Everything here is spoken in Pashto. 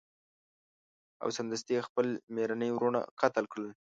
او سمدستي یې خپل میرني وروڼه قتل کړل.